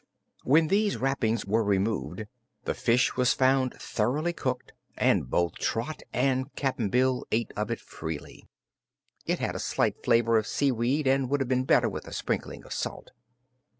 When these wrappings were removed, the fish was found thoroughly cooked and both Trot and Cap'n Bill ate of it freely. It had a slight flavor of seaweed and would have been better with a sprinkling of salt.